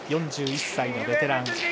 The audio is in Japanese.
４１歳のベテラン。